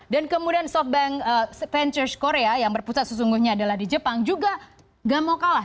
dan kemudian softbank ventures korea yang berpusat sesungguhnya adalah di jepang juga tidak mau kalah